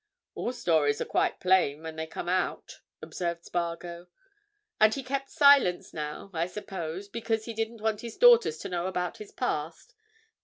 "All stories are quite plain—when they come out," observed Spargo. "And he kept silence now, I suppose, because he didn't want his daughters to know about his past?"